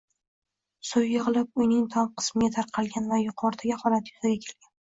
Suv yigʻilib, uyning tom qismiga tarqalgan va yuqoridagi holat yuzaga kelgan.